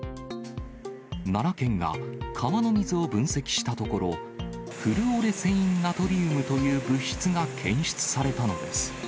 奈良県が川の水を分析したところ、フルオレセインナトリウムという物質が検出されたのです。